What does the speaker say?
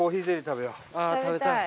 食べたい。